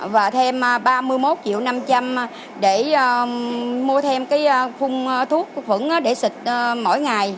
và thêm ba mươi một triệu năm trăm linh để mua thêm khung thuốc phẫn để xịt mỗi ngày